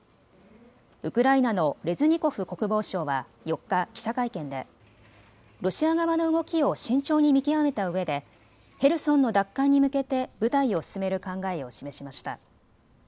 ウクライナのレズニコフ国防相は４日、記者会見でロシア側の動きを慎重に見極めたうえでヘルソンの奪還に向けて部隊を進める考えを示しました。